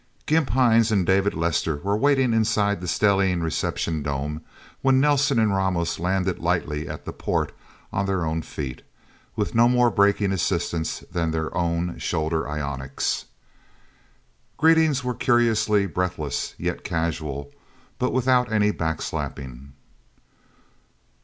Gimp Hines and David Lester were waiting inside the stellene reception dome when Nelsen and Ramos landed lightly at the port on their own feet, with no more braking assistance than their own shoulder ionics. Greetings were curiously breathless yet casual, but without any backslapping.